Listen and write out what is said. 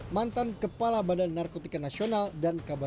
mantan kepala badan narkotika nasional dan kabupaten